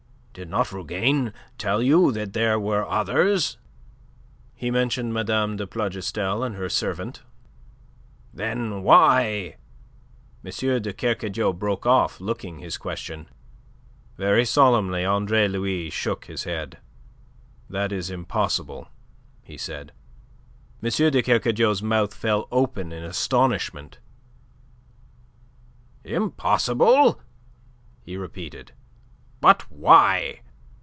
Did not Rougane tell you that there were others..." "He mentioned Mme. de Plougastel and her servant." "Then why...?" M. de Kercadiou broke off, looking his question. Very solemnly Andre Louis shook his head. "That is impossible," he said. M. de Kercadiou's mouth fell open in astonishment. "Impossible!" he repeated. "But why?"